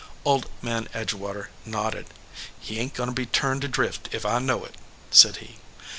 Old Man Edgewater nodded. "He ain t goin to be turned adrift if I know it," said he.